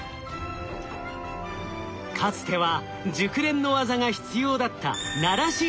かつては熟練の技が必要だったならし作業。